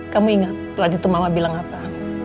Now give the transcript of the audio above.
kamu ingat waktu itu mama bilang apa